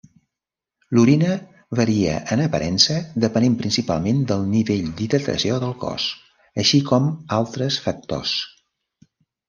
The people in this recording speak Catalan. L'orina varia en aparença, depenent principalment del nivell d'hidratació del cos, així com altres factors.